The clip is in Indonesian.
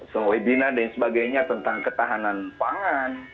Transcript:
semua webinar dan sebagainya tentang ketahanan pangan